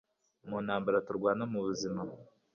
Mu ntambara turwana mu buzima